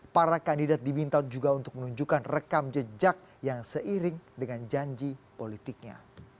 para kandidat diminta juga untuk menunjukkan rekam jejak yang seiring dengan janji politiknya